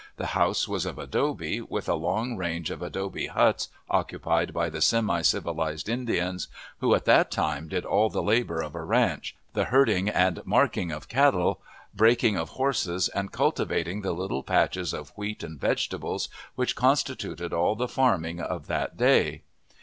The house was of adobe, with a long range of adobe huts occupied by the semi civilized Indians, who at that time did all the labor of a ranch, the herding and marking of cattle, breaking of horses, and cultivating the little patches of wheat and vegetables which constituted all the farming of that day.